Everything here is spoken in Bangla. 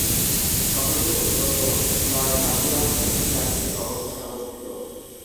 শহরটি অত্যন্ত নয়নাভিরাম একটি প্রাকৃতিক অবস্থানে অবস্থিত।